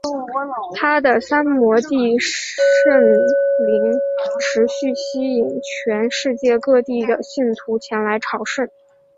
他的三摩地圣陵持续吸引全世界各地的信众前来朝圣。